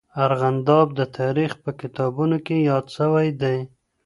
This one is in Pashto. ارغنداب د تاریخ په کتابونو کې یاد سوی دی.